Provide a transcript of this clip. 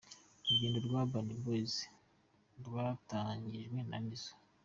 Urugendo rwa Urban Boyz rwatangijwe na Nizzo.